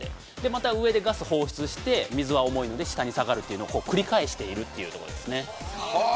また上でガスを放出して水は重いので下に下がるのが繰り返しているというところですね。